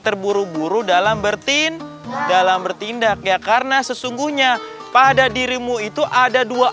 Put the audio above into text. terburu buru dalam bertin dalam bertindak ya karena sesungguhnya pada dirimu itu ada dua